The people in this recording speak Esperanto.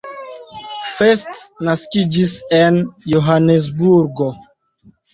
First naskiĝis en Johanesburgo.